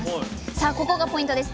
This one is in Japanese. さあここがポイントです！